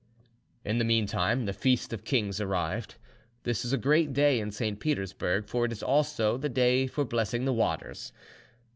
In the meantime the Feast of Kings arrived. This is a great day in St. Petersburg, for it is also the day for blessing the waters.